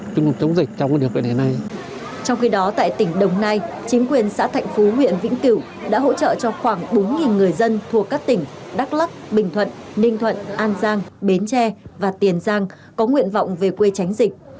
chính quyền xã thạnh phú nguyễn vĩnh cửu đã hỗ trợ cho khoảng bốn người dân thuộc các tỉnh đắk lắc bình thuận ninh thuận an giang bến tre và tiền giang có nguyện vọng về quê tránh dịch